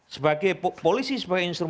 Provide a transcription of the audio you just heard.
sebagai polisi sebagai instruksi